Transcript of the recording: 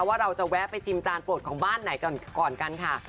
ว่าเราจะแวะไปชิมจานโปรดของบ้านไหนก่อนกันค่ะ